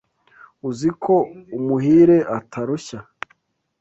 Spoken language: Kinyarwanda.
Uzi ko umuhire atarushya